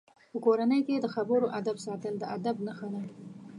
په کورنۍ کې د خبرو آدب ساتل د ادب نښه ده.